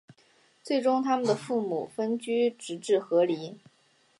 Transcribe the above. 最终他们的父母分居直至和离。